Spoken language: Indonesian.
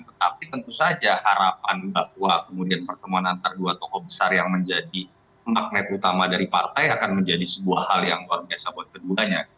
tetapi tentu saja harapan bahwa kemudian pertemuan antara dua tokoh besar yang menjadi magnet utama dari partai akan menjadi sebuah hal yang luar biasa buat keduanya